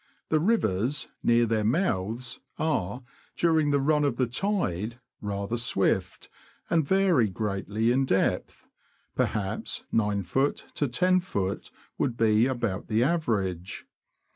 The rivers, near their mouths, are, during the run of the tide, rather swift, and vary greatly in depth ; perhaps 9ft. to I oft. would be about the average.